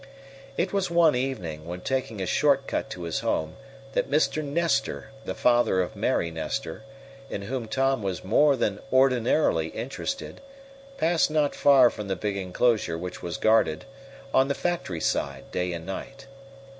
It was one evening, when taking a short cut to his home, that Mr. Nestor, the father of Mary Nestor, in whom Tom was more than ordinarily interested, passed not far from the big enclosure which was guarded, on the factory side, day and night.